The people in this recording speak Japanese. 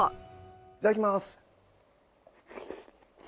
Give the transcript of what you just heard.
いただきます。